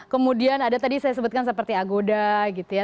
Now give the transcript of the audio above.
kemudian ada tadi saya sebutkan seperti agoda gitu ya